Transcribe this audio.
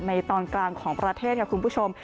ตอนกลางของประเทศค่ะคุณผู้ชม